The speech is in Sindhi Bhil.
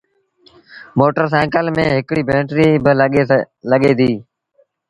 موٽر سآئيٚڪل ميݩ هڪڙيٚ بئيٽريٚ با لڳي ديٚ۔